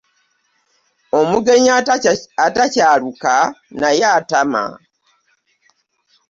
Omugenyi atakyaluka naye attama.